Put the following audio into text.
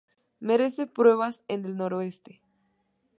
Merece pruebas en el Noroeste.